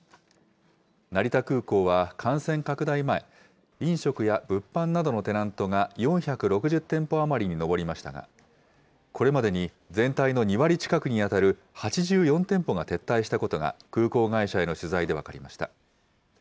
成田空港は感染拡大前、飲食や物販などのテナントが４６０店舗余りに上りましたが、これまでに全体の２割近くに当たる８４店舗が撤退したことが、空港会社への取材で分かりました。